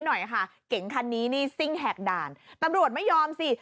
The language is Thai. หน่อยค่ะเก๋งคันนี้นี่ซิ่งแหกด่านตำรวจไม่ยอมสิ